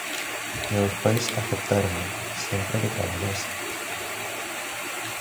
Meus pais aceptárono, sempre que traballase.